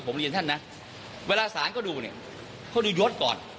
ฉันบอกลั้งเดิม